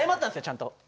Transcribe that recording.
ちゃんと。